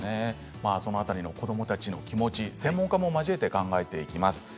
その辺りの子どもたちの気持ち、専門家も交えて考えていきます。